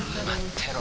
てろ